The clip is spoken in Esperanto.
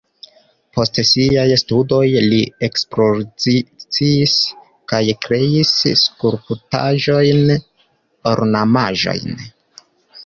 Post siaj studoj li ekspoziciis kaj kreis skulptaĵojn, ornamaĵojn.